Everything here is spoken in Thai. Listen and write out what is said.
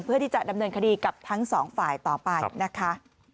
เพื่อที่จะดำเนินคดีกับทั้งสองฝ่ายต่อไปนะคะ